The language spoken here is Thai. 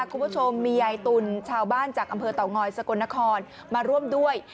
คุณผู้ชมมียายตุลชาวบ้านจากอำเภอเต่างอยสกลนครมาร่วมด้วย